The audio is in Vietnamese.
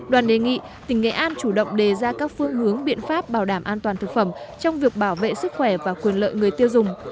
đoàn đề nghị tỉnh nghệ an chủ động đề ra các phương hướng biện pháp bảo đảm an toàn thực phẩm trong việc bảo vệ sức khỏe và quyền lợi người tiêu dùng